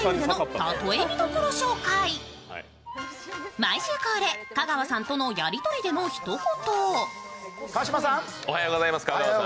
毎週恒例、香川さんとのやりとりでの一言。